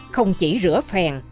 không chỉ rửa phèn